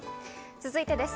続いてです。